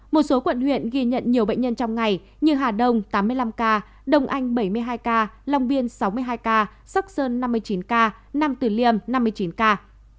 một số quận huyện ghi nhận nhiều bệnh nhân trong ngày như hà đông tám mươi năm ca đông anh bảy mươi hai ca long biên sáu mươi hai ca sóc sơn năm mươi chín ca nam tử liêm năm mươi chín ca